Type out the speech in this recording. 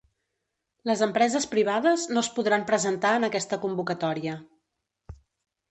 Les empreses privades no es podran presentar en aquesta convocatòria.